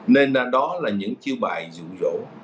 nên đó là những chiêu bài dụ dỗ